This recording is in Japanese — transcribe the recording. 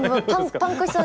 パンクしそう。